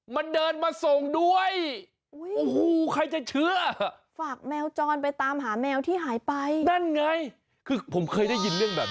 มันเดินมาส่งด้วย